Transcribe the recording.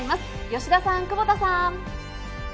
吉田さん、久保田さん。